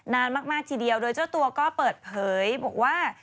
นานมากทีเดียวโดยเจ้าตัวก็เปิดเผยบอกว่า